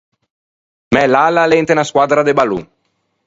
Mæ lalla a l’é inte unna squaddra de ballon.